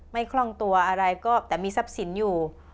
คล่องตัวอะไรก็แต่มีทรัพย์สินอยู่